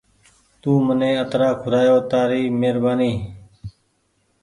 تو مني اترآن کورآيو تآري مهربآني